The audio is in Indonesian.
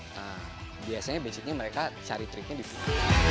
nah biasanya basicnya mereka cari triknya di sini